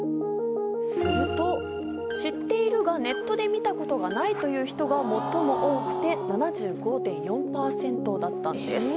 すると知っているがネットで見たことがないという人が最も多くて７５．４％だったんです。